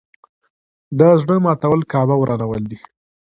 د زړه ماتول کعبه ورانول دي.